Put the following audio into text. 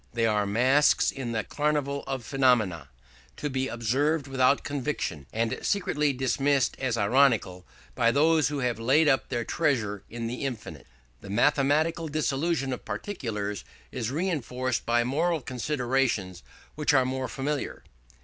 They are masks in the carnival of phenomena, to be observed without conviction, and secretly dismissed as ironical by those who have laid up their treasure in the infinite. This mathematical dissolution of particulars is reinforced by moral considerations which are more familiar.